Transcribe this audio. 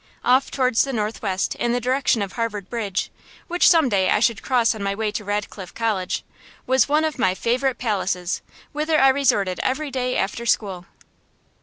Off towards the northwest, in the direction of Harvard Bridge, which some day I should cross on my way to Radcliffe College, was one of my favorite palaces, whither I resorted every day after school.